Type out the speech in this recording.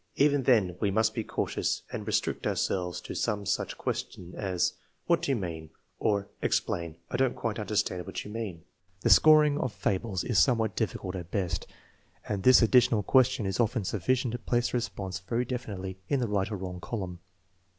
Even then we must be cautious and restrict ourselves to some such question as, " What do you mean? " or, " Ex plain; I don't quite understand what you mean" The scor ing of fables is somewhat difficult at best, and this addi tional question is often sufficient to place the response very definitely in the right or wrong column.